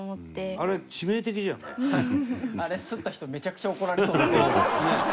あれ刷った人めちゃくちゃ怒られそうですね。